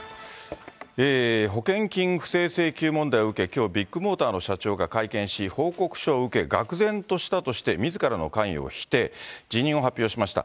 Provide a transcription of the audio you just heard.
保険金不正請求問題を受け、きょう、ビッグモーターの社長が会見し、報告書を受け、がく然としたとして、みずからの関与を否定、辞任を発表しました。